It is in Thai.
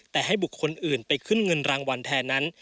แต่ให้บุคคลอื่นไปขึ้นเงินรางวัลแทนนั้น